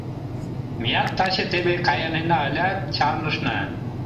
Меат таче теве кайынена ылят, чарнышна.